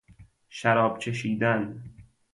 شراب چشیدن